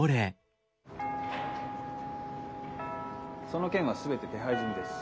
・その件は全て手配済みです。